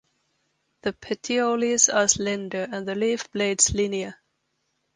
The petioles are slender and the leaf blades linear.